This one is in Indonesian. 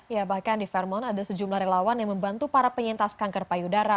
ya bahkan di fairmont ada sejumlah relawan yang membantu para penyintas kanker payudara